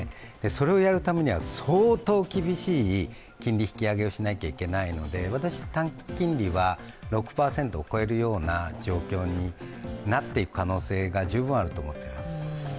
それをやるためには相当厳しい金利引き上げをしなきゃいけないので私、短期金利は６％を超えるような状況になっていく可能性が十分あると思っています。